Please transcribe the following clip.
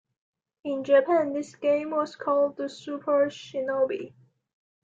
In Japan this game was called "The Super Shinobi".